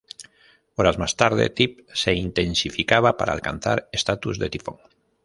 Horas más tarde, Tip se intensificaba para alcanzar estatus de tifón.